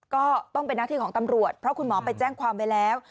ก็ต้องเป็นหน้าที่ของตำรวจเพราะคุณหมอไปแจ้งความไว้แล้ว